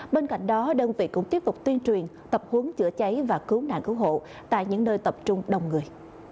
bên cạnh đó đơn vị cũng tiếp tục tuyên truyền tập hướng chữa cháy và cứu nạn cứu hộ tại những nơi tập trung đông người